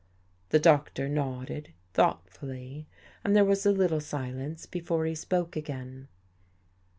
The Doctor nodded thoughtfully, and there was a little silence before he spoke again.